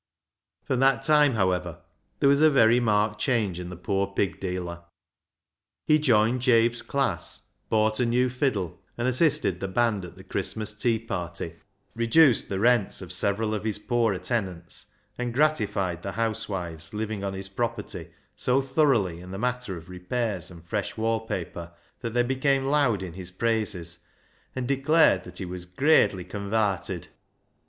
From that time, however, there was a very marked change in the poor pig dealer. He joined Jabe's class, bought a new fiddle, and assisted the band at the Christmas tea party, reduced the rents of several of his poorer tenants, and gratified the housewives living on his property so thoroughly in the matter of repairs and fresh wall paper, that they became loud in his praises, and declared that he was " gradely convarted."